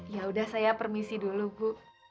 ya udah saya permisi dulu bu